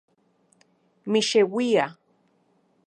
Mixeuia